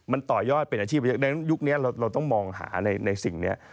มันต่อยอดเป็นอาชีพเยอะดังนั้นยุคนี้เราต้องมองหาในสิ่งนี้